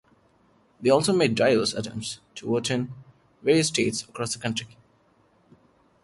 They also made diverse attempts to vote in various states across the country.